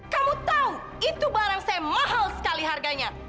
kamu tahu itu barang saya mahal sekali harganya